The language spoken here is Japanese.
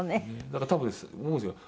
だから多分思うんですよ。